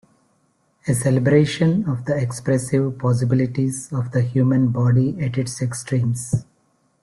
A celebration of the expressive possibilities of the human body at its extremes.